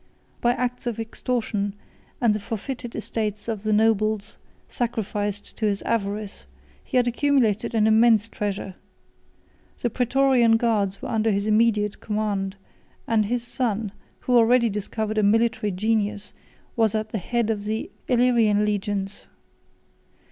By acts of extortion, and the forfeited estates of the nobles sacrificed to his avarice, he had accumulated an immense treasure. The Prætorian guards were under his immediate command; and his son, who already discovered a military genius, was at the head of the Illyrian legions.